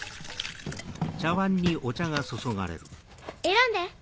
選んで！